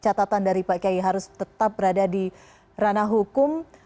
catatan dari pak kiai harus tetap berada di ranah hukum